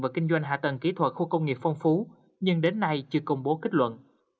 và kinh doanh hạ tầng kỹ thuật khu công nghiệp phong phú nhưng đến nay chưa công bố kết luận